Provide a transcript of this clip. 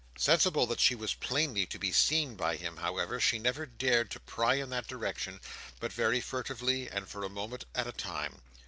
Sensible that she was plainly to be seen by him, however, she never dared to pry in that direction but very furtively and for a moment at a time.